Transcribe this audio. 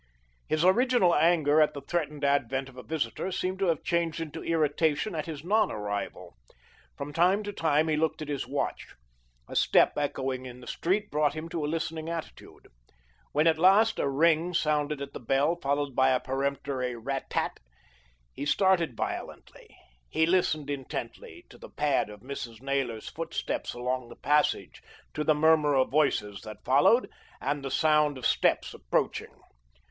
His original anger at the threatened advent of a visitor seemed to have changed into irritation at his non arrival. From time to time he looked at his watch. A step echoing in the street brought him to a listening attitude. When at last a ring sounded at the bell, followed by a peremptory "rat tat," he started violently. He listened intently to the pad of Mrs. Naylor's footsteps along the passage, to the murmur of voices that followed, and the sound of steps approaching.